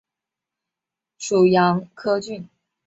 属牂牁郡。